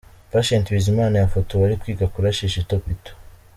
Patient Bizimana yafotowe ari kwiga kurashisha Itopito.